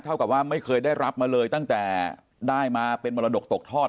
เท่ากับว่าไม่เคยได้รับมาเลยตั้งแต่ได้มาเป็นมรดกตกทอด